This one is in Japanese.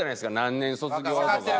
何年卒業とか。